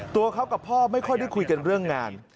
ตัวเขากับพ่อไม่ค่อยได้คุยกันเรื่องงาน